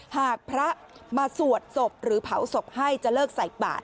หากพระมาสวดศพหรือเผาศพให้จะเลิกใส่บาท